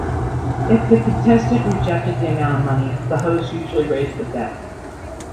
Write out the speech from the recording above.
If the contestant rejected the amount of money, the host usually raised the bet.